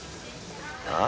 ああ？